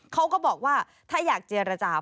เขาก็บอกว่าถ้าอยากเจรจา